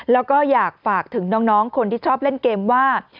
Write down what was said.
แล้วก็อยากฝากถึงน้องคนที่ชอบเล่นเกมว่า